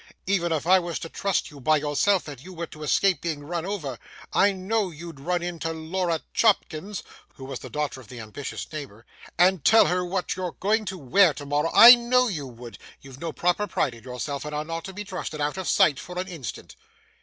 Even if I was to trust you by yourself and you were to escape being run over, I know you'd run in to Laura Chopkins,' who was the daughter of the ambitious neighbour, 'and tell her what you're going to wear tomorrow, I know you would. You've no proper pride in yourself, and are not to be trusted out of sight for an instant.